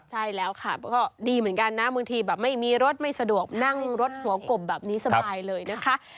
ใช่แล้วค่ะก็ดีเหมือนกันนะบางทีแบบไม่มีรถไม่สะดวกนั่งรถหัวกบแบบนี้สบายเลยนะคะ